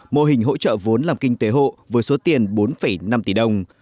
mô hình hỗ trợ vốn làm kinh tế hộ với số tiền bốn năm tỷ đồng